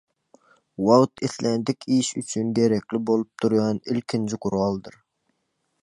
Wagt islendik iş üçin gerekli bolup durýan ilkinji guraldyr.